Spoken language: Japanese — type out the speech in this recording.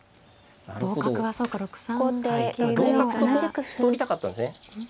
同角と取りたかったんですね。